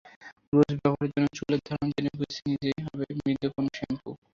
রোজ ব্যবহারের জন্য চুলের ধরন জেনে বেছে নিতে হবে মৃদু কোনো শ্যাম্পু।